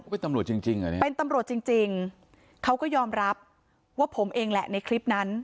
เป็นตำรวจจริงจริงเหรอเนี่ยเป็นตำรวจจริงจริงเขาก็ยอมรับว่าผมเองแหละในคลิปนั้น